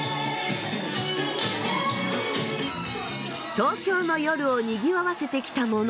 東京の夜をにぎわわせてきたもの。